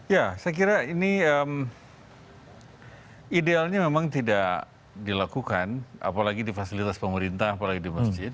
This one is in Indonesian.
ya saya kira ini idealnya memang tidak dilakukan apalagi di fasilitas pemerintah apalagi di masjid